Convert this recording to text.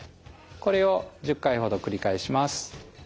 これを１０回ほど繰り返します。